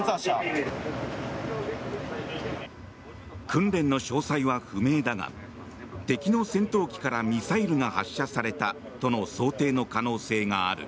訓練の詳細は不明だが敵の戦闘機からミサイルが発射されたとの想定の可能性がある。